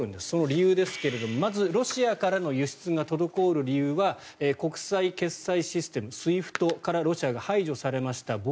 その理由ですがまず、ロシアからの輸出が滞る理由は国際決済システムＳＷＩＦＴからロシアが排除されました。